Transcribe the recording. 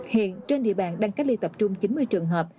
hiện trên địa bàn đang cách ly tập trung chín mươi trường hợp